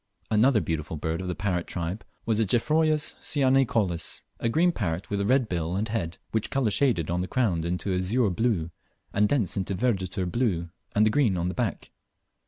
Another beautiful bird of the parrot tribe was the Geoffroyus cyanicollis, a green parrot with a red bill and head, which colour shaded on the crown into azure blue, and thence into verditer blue and the green of the back.